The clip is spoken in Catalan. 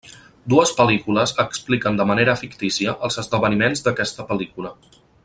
Dues pel·lícules expliquen de manera fictícia els esdeveniments d'aquesta pel·lícula.